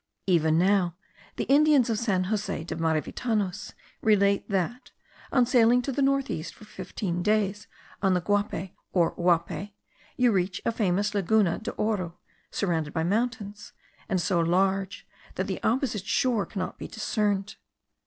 Even now the Indians of San Jose de Maravitanos relate that, on sailing to the north east for fifteen days, on the Guape or Uaupe, you reach a famous laguna de oro, surrounded by mountains, and so large that the opposite shore cannot be discerned.